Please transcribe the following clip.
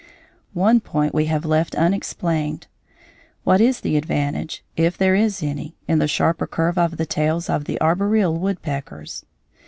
] One point we have left unexplained: What is the advantage, if there is any, in the sharper curve to the tails of the arboreal woodpeckers?